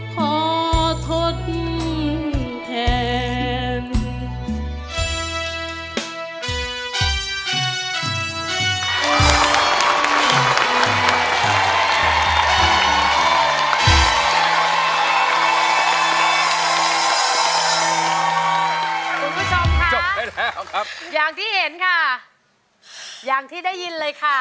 พอทดแทน